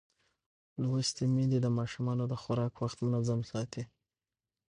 لوستې میندې د ماشوم د خوراک وخت منظم ساتي.